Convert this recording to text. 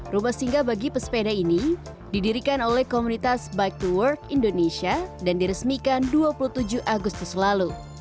rumah singga bagi pesepeda ini didirikan oleh komunitas bike to work indonesia dan diresmikan dua puluh tujuh agustus lalu